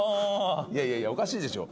いやいやおかしいでしょ。